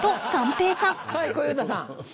はい小遊三さん。